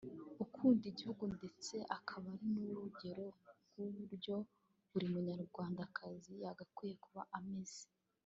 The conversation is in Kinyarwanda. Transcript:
ukunda igihugu ndetse akaba n’urugero rw’uburyo buri munyarwandakazi yagakwiye kuba ameze